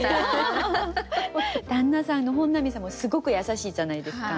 旦那さんの本並さんもすごく優しいじゃないですか。